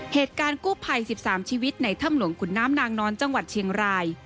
เหตุการณ์กู้ภัย๑๓ชีวิตในถ้ำหลวงขุนน้ำนางนอนจังหวัดเชียงราย